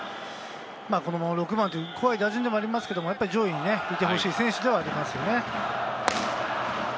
このまま６番という打順ではありますけれども、上位にいてほしい選手ではありますよね。